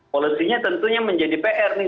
polusinya tentunya menjadi pr nih